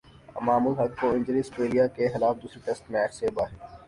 امام الحق کو injury Australia کے خلاف دوسرے ٹیسٹ میچ سے باہر